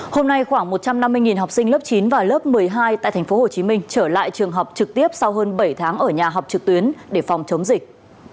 hôm nay khoảng một trăm năm mươi học sinh lớp chín và lớp một mươi hai tại tp hcm trở lại trường học trực tiếp sau hơn bảy tháng ở nhà học trực tuyến để phòng chống dịch